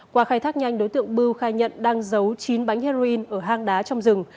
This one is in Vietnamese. qua khai thác nhanh đối tượng bưu khai nhận đang giấu chín bánh heroin ở hang đá trong rừng